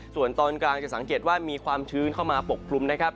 ส่วนตอนกลางจะสังเกตว่ามีความชื้นเข้ามาปกคลุมนะครับ